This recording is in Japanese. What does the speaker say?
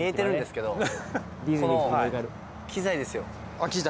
あっ機材